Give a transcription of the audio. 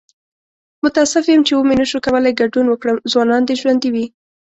متاسف یم چې و مې نشو کولی ګډون وکړم. ځوانان دې ژوندي وي!